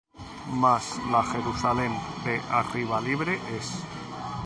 Mas la Jerusalem de arriba libre es;